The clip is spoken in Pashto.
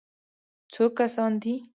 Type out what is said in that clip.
_څو کسان دي؟